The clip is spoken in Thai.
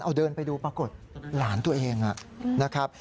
เอาเดินไปดูปรากฏหลานตัวเองนะครับ